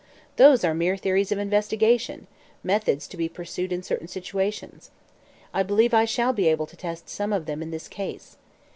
"Those are mere theories of investigation methods to be pursued in certain situations. I believe I shall be able to test some of them in this case.